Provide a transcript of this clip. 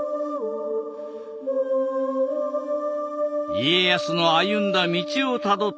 家康の歩んだ道をたどった茂山さん。